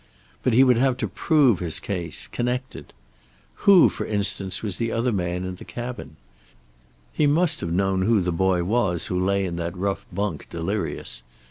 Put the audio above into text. But he would have to prove his case, connect it. Who, for instance, was the other man in the cabin? He must have known who the boy was who lay in that rough bunk, delirious.